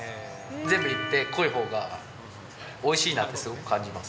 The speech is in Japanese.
全部むいて濃いほうがおいしいなって、すごく感じます。